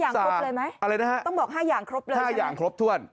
ต้องบอก๕อย่างครบเลยทวน